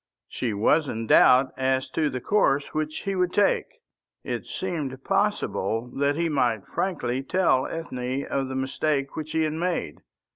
She was in doubt as to the course which he would take. It seemed possible that he might frankly tell Ethne of the mistake which he had made.